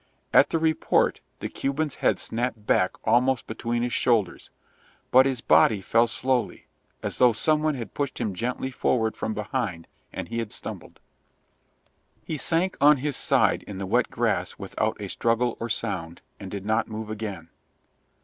At the report the Cuban's head snapped back almost between his shoulders, but his body fell slowly, as though some one had pushed him gently forward from behind and he had stumbled. He sank on his side in the wet grass without a struggle or sound, and did not move again.